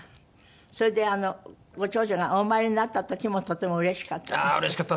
それでご長女がお生まれになった時もとてもうれしかったんですって？